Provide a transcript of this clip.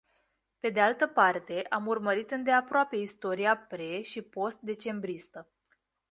Pe de altă parte, am urmărit îndeaproape istoria pre și postdecembristă.